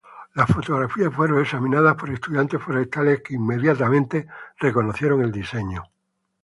Las fotografías fueron examinadas por estudiantes forestales, que inmediatamente reconocieron el diseño.